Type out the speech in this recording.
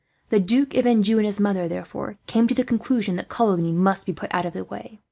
The Duke d'Anjou and his mother, therefore, came to the conclusion that Coligny must be put out of the way.